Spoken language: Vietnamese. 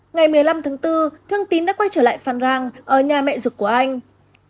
ngày một mươi năm tháng bốn thương tín đã quay trở lại phan rang ở nhà mẹ rục của anh